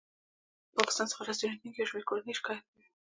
ه پاکستان څخه راستنېدونکې یو شمېر کورنۍ شکایت کوي